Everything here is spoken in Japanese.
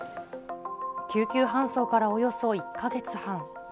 救急搬送からおよそ１か月半。